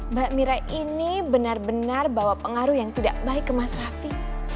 mbak mira ini benar benar bawa pengaruh yang tidak baik ke mas raffi